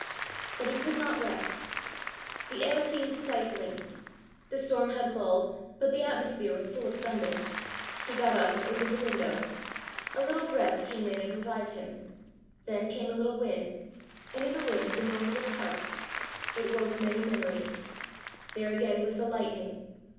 But he could not rest. The air seemed stifling. The storm had lulled, but the atmosphere was full of thunder. He got up and opened the window. A little breath came in and revived him; then came a little wind, and in the wind the moan of its harp. It woke many memories. There again was the lightning!